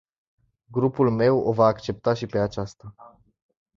Grupul meu o va accepta și pe aceasta.